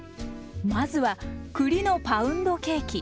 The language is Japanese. まずは栗のパウンドケーキ。